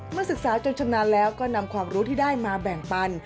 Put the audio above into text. ศึกษาจนชำนาญแล้วก็นำความรู้ที่ได้มาแบ่งปัน